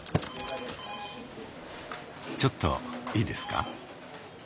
ちょっといいですか？